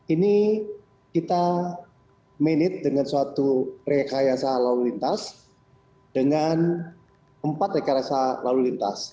ini kita manage dengan suatu rekayasa lalu lintas dengan empat rekayasa lalu lintas